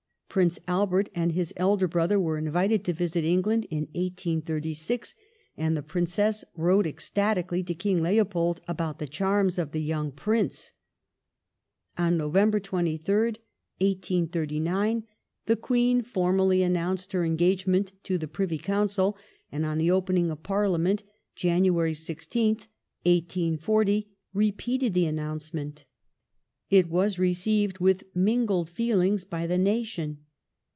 Prince Albert and his elder brother were invited to visit England in 1836, and the Princess wrote ecstatically to King Leopold about the charms of the young Prince. On November 23rd, 1839, the Queen formally announced her engagement to the Privy Council, and on the opening of Par liament (Jan. 16th, 1840) repeated the announcement. It was received with mingled feelings by the nation.